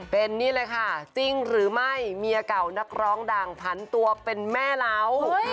เป็นนี่เลยค่ะจริงหรือไม่เมียเก่านักร้องดังผันตัวเป็นแม่เรา